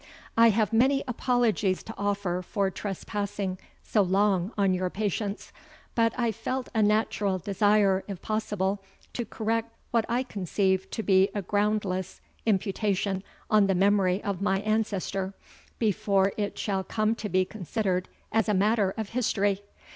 "I have many apologies to offer for trespassing so long on your patience; but I felt a natural desire, if possible, to correct what I conceive to be a groundless imputation on the memory of my ancestor, before it shall come to be considered as a matter of History.